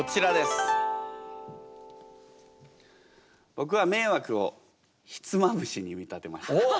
僕は「迷惑」をひつまぶしに見立てました。